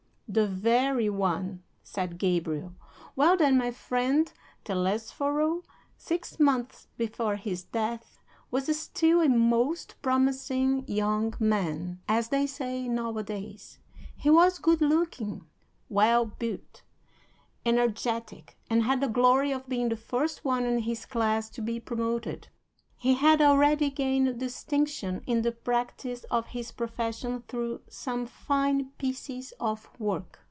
"The very one," said Gabriel. "Well, then, my friend Telesforo, six months before his death, was still a most promising young man, as they say nowadays. He was good looking, well built, energetic, and had the glory of being the first one in his class to be promoted. He had already gained distinction in the practice of his profession through some fine pieces of work.